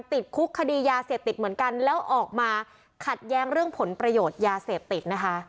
ติดคุกคดียาเสพติดเหมือนกันแล้วออกมาขัดแย้งเรื่องผลประโยชน์ยาเสพติดนะคะ